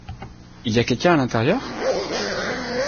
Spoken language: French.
Il y a quelqu’un à l’intérieur ?